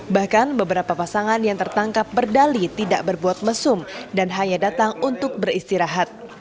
bahkan beberapa pasangan yang tertangkap berdali tidak berbuat mesum dan hanya datang untuk beristirahat